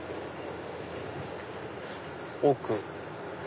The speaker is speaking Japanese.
奥。